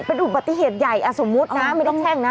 เป็นอุบัติเหตุใหญ่สมมุตินะไม่ต้องแช่งนะ